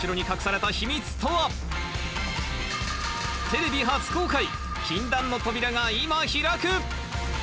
テレビ初公開、禁断の扉が今開く。